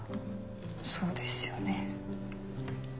そうですよね